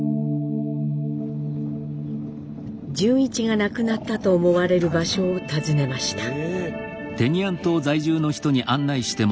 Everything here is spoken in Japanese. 潤一が亡くなったと思われる場所を訪ねました。